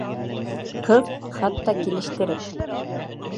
Ҡыҙ хатта килештереп: